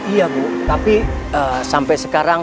iya bu tapi sampai sekarang